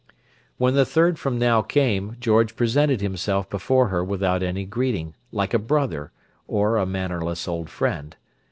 When "the third from now" came, George presented himself before her without any greeting, like a brother, or a mannerless old friend.